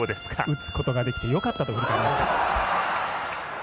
打つことができてよかったと話していました。